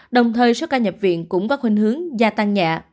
đồng thời số ca nhập viện cũng có khuyên hướng gia tăng nhẹ